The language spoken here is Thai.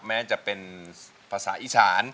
แม้จะเป็นภาษาอีสาน